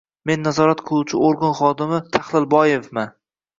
Men nazorat qiluvchi organ xodimi Tahlilboevman